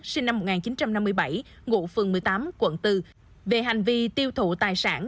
sinh năm một nghìn chín trăm năm mươi bảy ngụ phường một mươi tám quận bốn về hành vi tiêu thụ tài sản